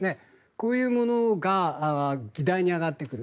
こういうものが議題に挙がってくる。